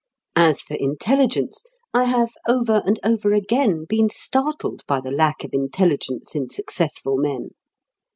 As for intelligence, I have over and over again been startled by the lack of intelligence in successful men.